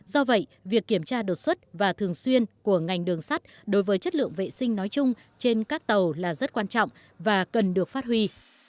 do vậy việc kiểm tra đột xuất và thường xuyên của ngành đường sắt đối với chất lượng vệ sinh nói chung trên các tàu là rất quan trọng và cần được phát huy